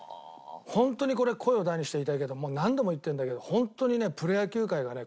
ホントにこれ声を大にして言いたいけどもう何度も言ってるんだけどホントにねプロ野球界がね